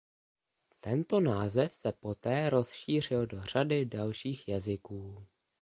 Tento název se poté rozšířil do řady dalších jazyků.